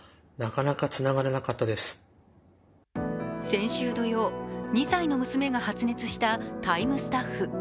先週土曜、２歳の娘が発熱した「ＴＩＭＥ，」スタッフ。